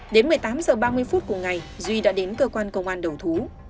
đến một mươi tám h ba mươi phút cùng ngày duy đã đến cơ quan công an đầu thú